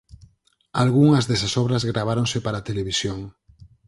Algunhas desas obras graváronse para a televisión.